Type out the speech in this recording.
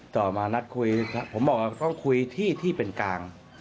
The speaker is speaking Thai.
ต่อมานัดคุยผมบอกว่าต้องคุยที่ที่เป็นกลาง